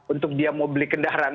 untuk dia mau beli kendaraan